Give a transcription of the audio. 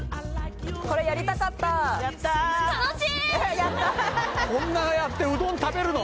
・これやりたかったやった楽しいこんなやってうどん食べるの？